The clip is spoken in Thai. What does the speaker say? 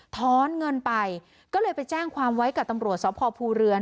้อนเงินไปก็เลยไปแจ้งความไว้กับตำรวจสพภูเรือน